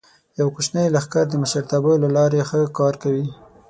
یو کوچنی لښکر د مشرتابه له لارې ښه کار کوي.